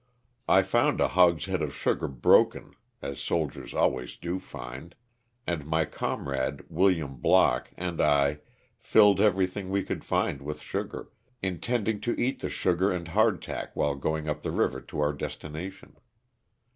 I found a hogshead of sugar broken (as soldiers always do find) and my comrade, Wm. Block, and I filled everything we could find with sugar, intending to eat the sugar and hard tack while going up the river to our destina tion.